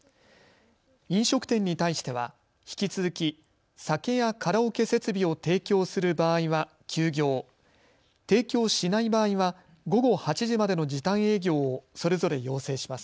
飲食店に対しては引き続き酒やカラオケ設備を提供する場合は休業、提供しない場合は午後８時までの時短営業をそれぞれ要請します。